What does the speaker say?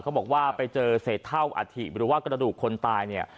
เขาบอกว่าไปเจอเศษเท่าอัฐิหรือว่ากระดูกคนตายเนี่ย